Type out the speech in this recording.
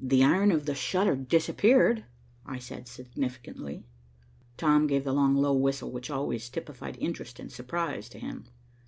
"The iron of the shutter disappeared," I said significantly. Tom gave the long, low whistle which always typified interest and surprise to him.